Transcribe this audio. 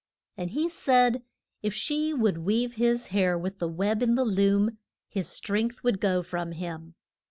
And he said if she would weave his hair with the web in the loom his strength would go from him.